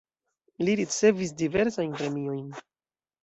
Li ricevis diversajn premiojn.